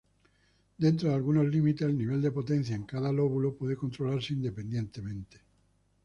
Dentro de algunos límites, el nivel de potencia en cada lóbulo puede controlarse independientemente.